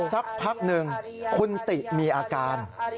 สักพักหนึ่งคุณติมีอาการ